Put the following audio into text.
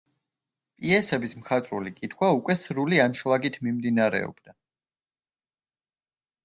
პიესების მხატვრული კითხვა უკვე სრული ანშლაგით მიმდინარეობდა.